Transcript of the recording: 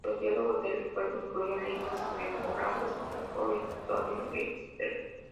Los diálogos del juego incluyen líneas memorables como ""Oi, stop right there!